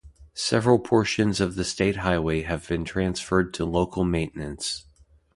Several portions of the state highway have been transferred to local maintenance.